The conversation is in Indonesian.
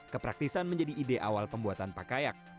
kepraktisan menjadi ide awal pembuatan pak kayak